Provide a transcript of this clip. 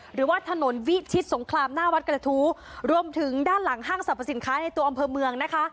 หรือว่าถนนวิชิตสงครามหน้าวัดกระทู้รวมถึงด้านหลังห้างสรรพสินค้าในตัวอำเภอเมืองนะคะ